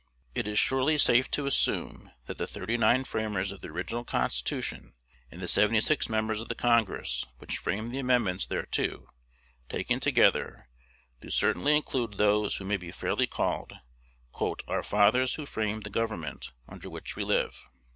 It is surely safe to assume that the "thirty nine" framers of the original Constitution, and the seventy six members of the Congress which framed the amendments thereto, taken together, do certainly include those who may be fairly called "our fathers who framed the government under which we live."